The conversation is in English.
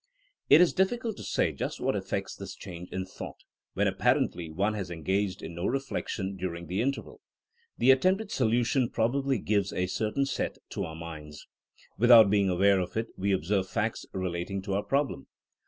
It is difficult to say just what effects this change in thought, when apparently one has en gaged in no reflection during the interval. The attempted solution probably gives a certain sef to our minds. Without being aware of it we observe facts relating to our problem.